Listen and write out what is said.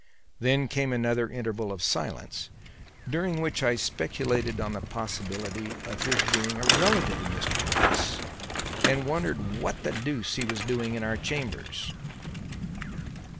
Then came another interval of silence, during which I speculated on the possibility of his being a relative of Mr. Weiss and wondered what the deuce he was doing in our chambers.